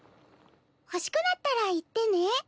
欲しくなったら言ってね。